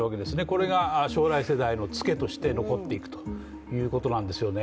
これが将来世代のツケとして残っていくということなんですよね。